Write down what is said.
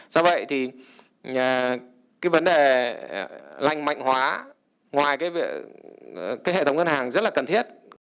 do vậy thì cái vấn đề lành mạnh hóa ngoài cái hệ thống ngân hàng rất là cần thiết